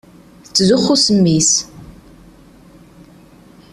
Tettzuxxu s mmi-s.